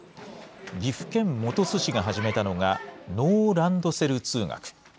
岐阜県本巣市が始めたのが、ノーランドセル通学。